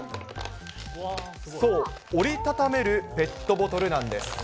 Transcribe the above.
そう、折り畳めるペットボトルなんです。